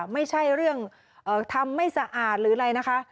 ไม่ใช่เรื่องทำไม่สะอาดหรืออะไรนะคะ